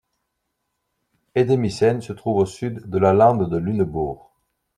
Edemissen se trouve au sud de la lande de Lunebourg.